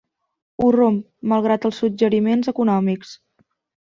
Ho romp, malgrat els suggeriments econòmics.